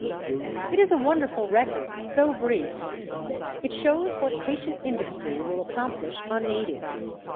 It is a wonderful record, though brief. It shows what patient industry will accomplish unaided.